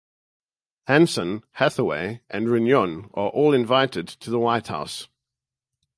Hanson, Hathaway and Runyon are all invited to the White House.